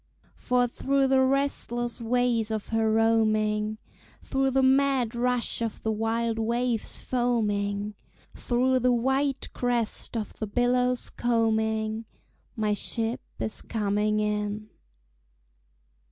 For through the restless ways of her roaming, Through the mad rush of the wild waves foaming, Through the white crest of the billows combing, My ship is coming in.